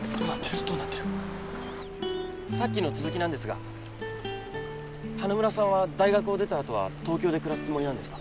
さっきの続きなんですが花村さんは大学を出た後は東京で暮らすつもりなんですか？